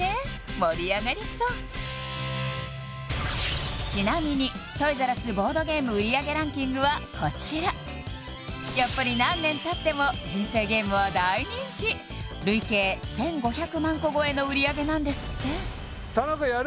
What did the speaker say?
盛り上がりそうちなみにトイザらスボードゲーム売り上げランキングはこちらやっぱり何年たっても人生ゲームは大人気累計１５００万個超えの売り上げなんですって田中やる？